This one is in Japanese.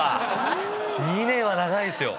２年は長いですよ。